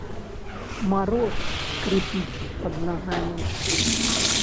Мароз скрыпіць пад нагамі.